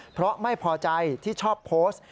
เพราะไม่พอใจที่ชอบโพสต์